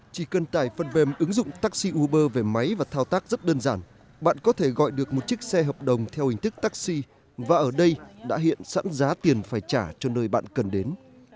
chỉ cần tải phần mềm ứng dụng taxi uber về máy và thao tác rất đơn giản bạn có thể gọi được một chiếc xe hợp đồng theo hình thức taxi và ở đây đã hiện sẵn giá tiền phải trả cho nơi bạn cần đến